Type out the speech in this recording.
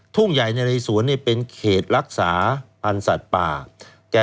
ทุ่งใหญ่ในเรสวนเป็นเขตรักษาพันธุ์สัตว์ป่า